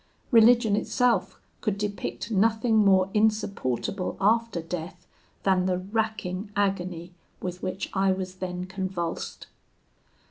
Religion itself could depict nothing more insupportable after death than the racking agony with which I was then convulsed.